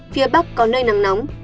phía bắc có nơi nắng nóng